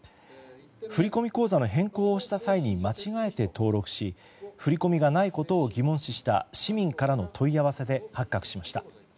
振込口座の変更をした際に間違えて登録し振り込みがないことを疑問視した市民からの問い合わせで発覚しました。